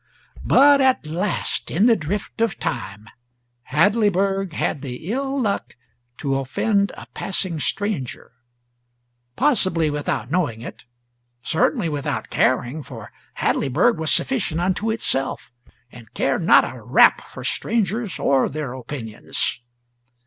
But at last, in the drift of time, Hadleyburg had the ill luck to offend a passing stranger possibly without knowing it, certainly without caring, for Hadleyburg was sufficient unto itself, and cared not a rap for strangers or their opinions.